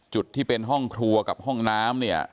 จุดที่เป็นห้องครัวกับห้องน้ำเนี่ย